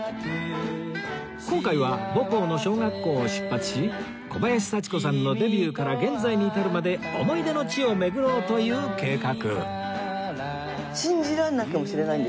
今回は母校の小学校を出発し小林幸子さんのデビューから現在に至るまで思い出の地を巡ろうという計画